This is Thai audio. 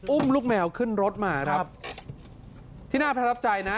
อุ้มลูกแมวขึ้นรถมาครับที่น่าประทับใจนะ